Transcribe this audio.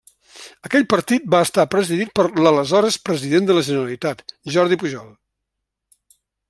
Aquell partit va estar presidit per l'aleshores president de la Generalitat, Jordi Pujol.